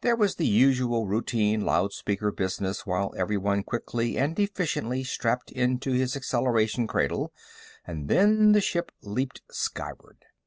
There was the usual routine loudspeaker business while everyone quickly and efficiently strapped into his acceleration cradle, and then the ship leaped skyward.